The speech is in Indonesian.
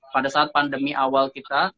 pada saat pandemi awal kita